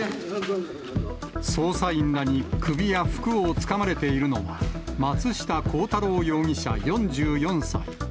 捜査員らに首や服をつかまれているのは、松下幸太郎容疑者４４歳。